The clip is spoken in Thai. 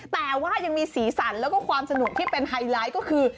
แต่ว่ายังมีสีสันแล้วก็ความสนุกที่เป็นไฮไลท์ก็คือ